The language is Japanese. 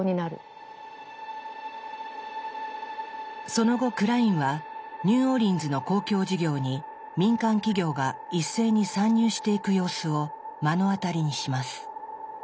その後クラインはニューオーリンズの公共事業に民間企業が一斉に参入していく様子を目の当たりにします。